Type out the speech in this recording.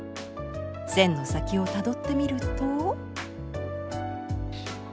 線の先をたどってみると。